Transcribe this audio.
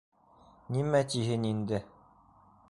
Нимә тиһен инде?